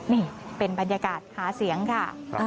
นี่เป็นบรรยากาศหาเสียงค่ะ